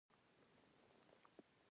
باد د شپو ارام دی